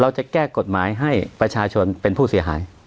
จะแก้กฎหมายให้ประชาชนเป็นผู้เสียหาย